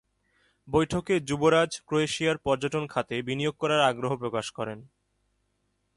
বৈঠকে, যুবরাজ, ক্রোয়েশিয়ার পর্যটন খাতে বিনিয়োগ করার আগ্রহ প্রকাশ করেন।